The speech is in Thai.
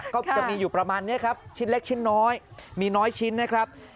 ก็จะมีอยู่ประมาณนี้ครับชิ้นเล็กชิ้นน้อยมีน้อยชิ้นนะครับ